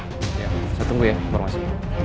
saya tunggu ya informasi